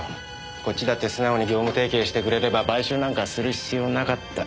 こっちだって素直に業務提携してくれれば買収なんかする必要なかった。